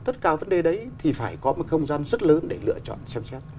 tất cả vấn đề đấy thì phải có một không gian rất lớn để lựa chọn xem xét